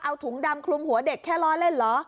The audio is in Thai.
เอาถุงดำคลุมหัวเด็กแค่ล้อเล่นเหรอ